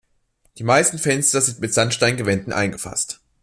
Die meisten Fenster sind mit Sandstein-Gewänden eingefasst.